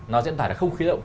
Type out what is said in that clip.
nó diễn tả được không khí động